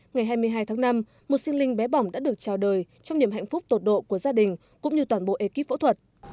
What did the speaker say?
ngày hai mươi hai tháng năm một sinh linh bé bỏng đã được trao đời trong niềm hạnh phúc tột độ của gia đình cũng như toàn bộ ekip phẫu thuật